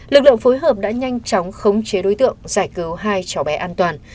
lực lượng phối hợp đã nhanh chóng khống chế đối tượng giải cứu hai cháu bé an toàn